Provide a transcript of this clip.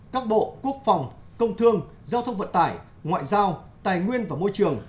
các bộ quốc phòng công thương giao thông vận tải ngoại giao tài nguyên và môi trường